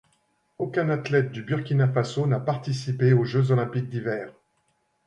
Aucun athlète du Burkina Faso n'a participé aux Jeux olympiques d'hiver.